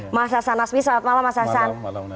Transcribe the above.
mas hasan nasmi selamat malam mas hasan